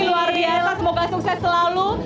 luar biasa semoga sukses selalu